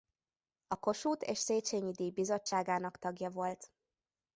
A Kossuth- és Széchenyi-díj Bizottságának tagja volt.